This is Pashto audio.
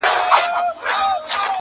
هر طبیب یې په علاج پوري حیران سو!